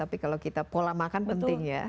tapi kalau kita pola makan penting ya